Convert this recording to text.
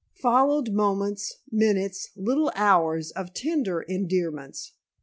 Followed moments, minutes, little hours of tender endearments.